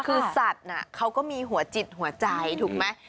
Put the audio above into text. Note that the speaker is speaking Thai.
คือสัตว์เขาก็มีหัวจิตหัวใจถูกไหม